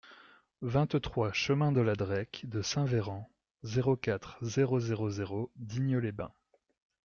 vingt-trois chemin de L'Adrech de Saint-Véran, zéro quatre, zéro zéro zéro Digne-les-Bains